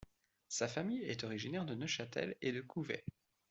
Sa famille est originaire de Neuchâtel et de Couvet.